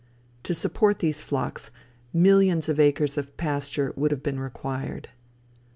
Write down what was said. To support these flocks, millions of acres of pasture would have been required.